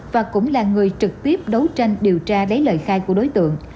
và cũng là người trực tiếp đấu tranh điều tra lấy lời khai của đối tượng